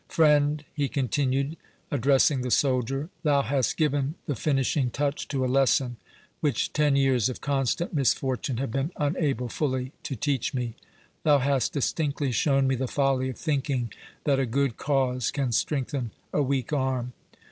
—Friend," he continued, addressing the soldier, "thou hast given the finishing touch to a lesson, which ten years of constant misfortune have been unable fully to teach me. Thou hast distinctly shown me the folly of thinking that a good cause can strengthen a weak arm.